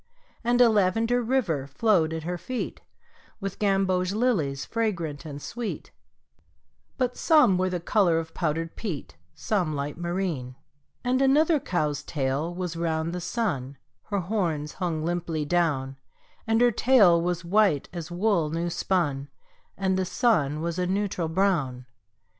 And a lavender river flowed at her feet With gamboge lilies fragrant and sweet, But some were the color of powdered peat, Some light marine. And another cow's tail was round the sun (Her horns hung limply down); And her tail was white as wool new spun, And the sun was a neutral brown.